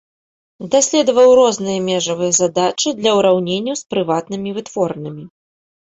Даследаваў розныя межавыя задачы для ўраўненняў з прыватнымі вытворнымі.